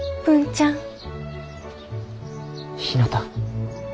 文ちゃん。